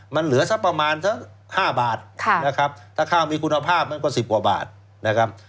มันเหลือสักประมาณสัก๕บาทนะครับถ้าข้าวมีคุณภาพมันก็๑๐กว่าบาทนะครับ